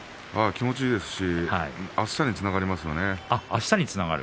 気持ちいいですしあしたにつながりますよね。